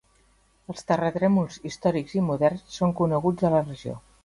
Els terratrèmols històrics i moderns són coneguts a la regió.